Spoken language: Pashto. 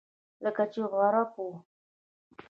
لکه چې عرب و.